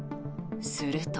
すると。